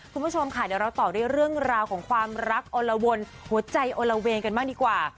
คุณผู้ชมค่ะเดี๋ยวเราต่อด้วยเรื่องราวของความรักโอละวนหัวใจโอละเวงกันบ้างดีกว่า